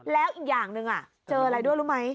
แล้วอีกอย่างหนึ่งเจออะไรด้วยรู้ไหม